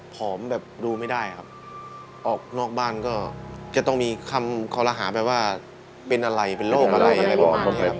ผอมแบบดูไม่ได้ครับออกนอกบ้านก็จะต้องมีคำคอลหาไปว่าเป็นอะไรเป็นโรคอะไรอะไรประมาณนี้ครับ